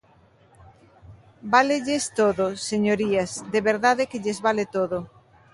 Válelles todo, señorías, de verdade que lles vale todo.